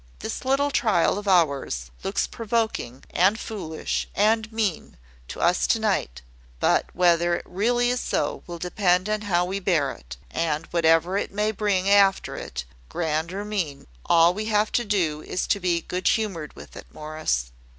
This little trial of ours looks provoking, and foolish, and mean, to us to night; but whether it really is so, will depend on how we bear it; and whatever it may bring after it, grand or mean, all we have to do is to be good humoured with it, Morris."